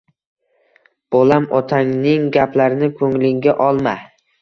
Bolam otangning gaplarini ko‘nglingga olma